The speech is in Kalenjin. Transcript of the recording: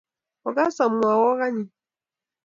Ogas omwowok anyun.